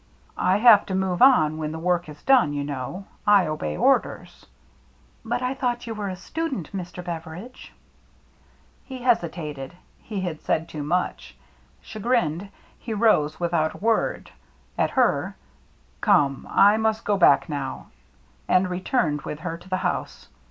" I have to move on when the work is done, you know. I obey orders." " But I thought you were a student, Mr. Beveridge ?" He hesitated ; he had said too much. Cha grined, he rose, without a word, at her " Come, I must go back now," and returned with her to the house.